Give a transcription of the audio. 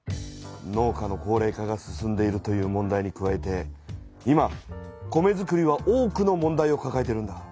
農家の高れい化が進んでいるという問題に加えて今米づくりは多くの問題をかかえているんだ。